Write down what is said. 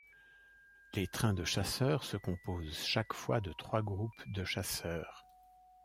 Les trains de chasseur se composent chaque fois de trois groupes de chasseur.